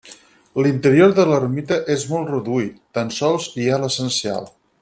L'interior de l'ermita és molt reduït, tan sols hi ha l'essencial.